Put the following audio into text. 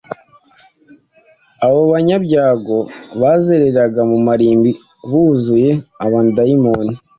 Abo banyabyago, bazereraga mu marimbi, buzuye abadayimoni,